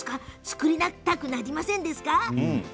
作りたくなりませんですか？